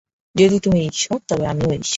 যদি তুমি ঈশ্বর, তবে আমিও ঈশ্বর।